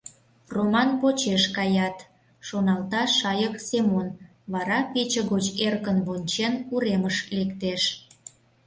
«Роман почеш каят, — шоналта Шайык Семон, вара, пече гоч эркын вончен, уремыш лектеш.